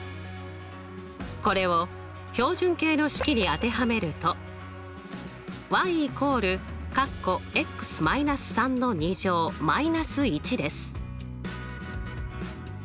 これを標準形の式に当てはめると＝−１です。